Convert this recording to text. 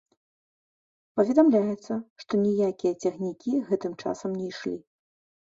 Паведамляецца, што ніякія цягнікі гэтым часам не ішлі.